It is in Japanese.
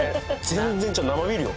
全然ちゃう生ビールよ